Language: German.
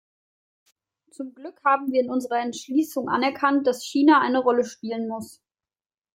Zum Glück haben wir in unserer Entschließung anerkannt, dass China eine Rolle spielen muss.